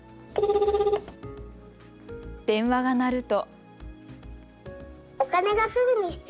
電話が鳴ると。